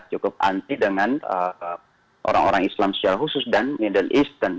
cukup anti dengan orang orang islam secara khusus dan middle easten